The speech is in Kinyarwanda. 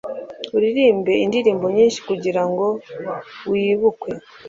uririmbe indirimbo nyinshi kugira ngo wibukwe